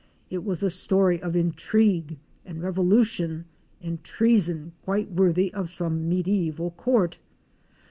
It was a story of intrigue and revolution and treason quite worthy of some medizval court.